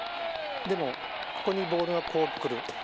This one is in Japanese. でもここにボールがこう来る。